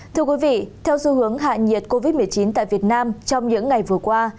thưa quý vị theo xu hướng hạ nhiệt covid một mươi chín tại việt nam trong những ngày vừa qua